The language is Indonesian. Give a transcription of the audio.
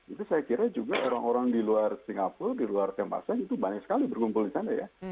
itu saya kira juga orang orang di luar singapura di luar temasek itu banyak sekali berkumpul di sana ya